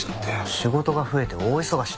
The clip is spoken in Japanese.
仕事が増えて大忙しだった？